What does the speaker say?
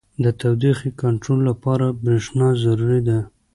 • د تودوخې کنټرول لپاره برېښنا ضروري ده.